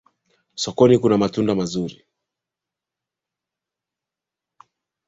Sokoni kuna matunda mazuri